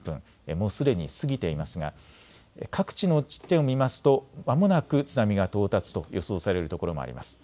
もうすでに過ぎていますが各地の地点を見ますとまもなく津波が到達と予想されるところもあります。